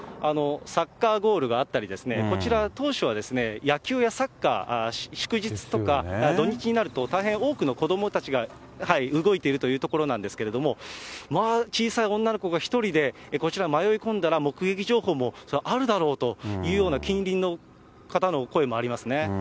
サッカーゴールがあったりですね、こちら、当初は野球やサッカー、祝日とか土日になると、大変多くの子どもたちが動いているというところなんですけども、小さい女の子が１人でこちら、迷い込んだら、目撃情報もあるだろうというような近隣の方の声もありますね。